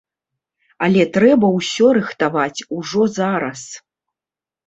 Але трэба ўсё рыхтаваць ужо зараз.